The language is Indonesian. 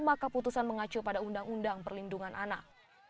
maka putusan mengacu pada undang undang perlindungan anak